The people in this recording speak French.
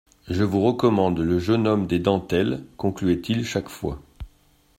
Je vous recommande le jeune homme des dentelles, concluait-il chaque fois.